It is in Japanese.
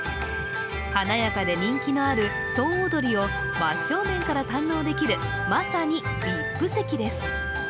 華やかで人気のある総踊りを真正面から堪能できるまさにＶＩＰ席です。